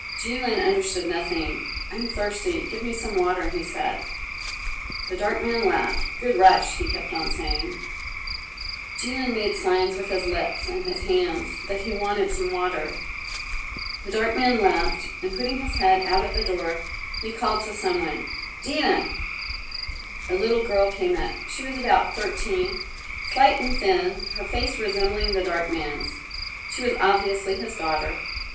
Jilin understood nothing. "I am thirsty; give me some water," he said. The dark man laughed. "Good Russ!" he kept on saying. Jilin made signs with his lips and hands that he wanted some water. The dark man laughed, and putting his head out at the door, he called to some one "Dina!" A little girl came up. She was about thirteen, slight and thin, her face resembling the dark man's. She was obviously his daughter.